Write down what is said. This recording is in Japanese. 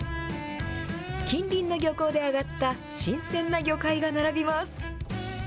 近隣の漁港であがった新鮮な魚介が並びます。